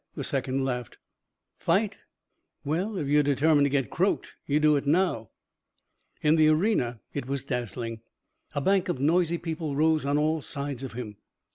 the second laughed. "Fight?" "Well, if you're determined to get croaked, you do it now." In the arena it was dazzling. A bank of noisy people rose on all sides of him.